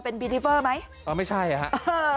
เป็นบิลลิเฟอร์ไหมไม่ใช่ครับ